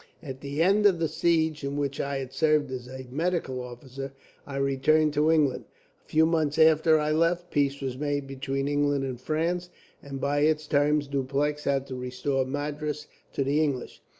"At the end of the siege, in which I had served as a medical officer, I returned to England. A few months after I left, peace was made between England and France, and by its terms Dupleix had to restore Madras to the English.